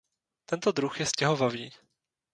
Tento druh je stěhovavý.